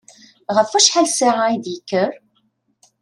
Ɣef wacḥal ssaɛa i d-yekker?